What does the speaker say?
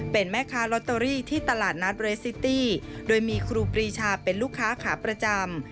เป็นแม่ค้าลอตเตอรี่ที่ตลาดนัดเรสซิตี้โดยมีครูปรีชาเป็นลูกค้าขาประจำ